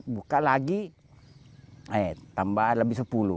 buka lagi eh tambah lebih sepuluh